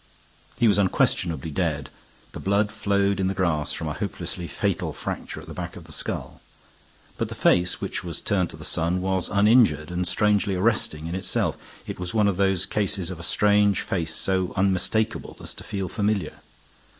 He was unquestionably dead. The blood flowed in the grass from a hopelessly fatal fracture at the back of the skull; but the face, which was turned to the sun, was uninjured and strangely arresting in itself. It was one of those cases of a strange face so unmistakable as to feel familiar.